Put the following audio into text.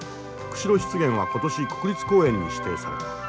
釧路湿原は今年国立公園に指定された。